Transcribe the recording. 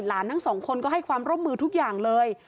ทั้งสองคนก็ให้ความร่วมมือทุกอย่างเลย